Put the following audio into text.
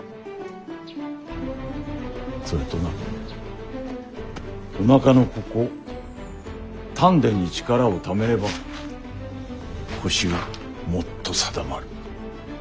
それとなおなかのここ丹田に力をためれば腰がもっと定まる。